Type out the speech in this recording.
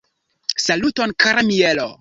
Saluton kara Mielo!